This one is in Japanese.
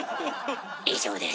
以上です。